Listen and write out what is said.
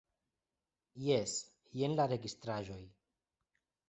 Jes, jen la registraĵoj.